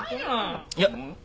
いや。